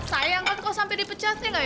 sayang kan kok sampe dipecat nih nelol